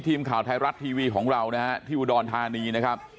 ทีมข่าวไทยรัฐทีวีของเรานะฮะที่อุดรธานีนะครับ